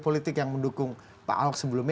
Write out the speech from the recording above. politik yang mendukung pak ahok sebelumnya